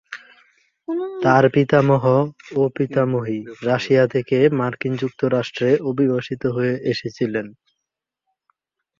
তার পিতামহ ও পিতামহী রাশিয়া থেকে মার্কিন যুক্তরাষ্ট্রে অভিবাসিত হয়ে এসেছিলেন।